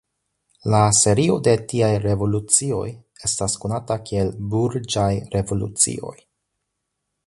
La serio de tiaj revolucioj estas konata kiel Burĝaj revolucioj.